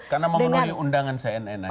karena memenuhi undangan cnn